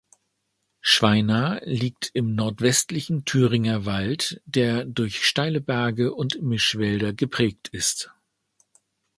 Schweina liegt im nordwestlichen Thüringer Wald, der durch steile Berge und Mischwälder geprägt ist.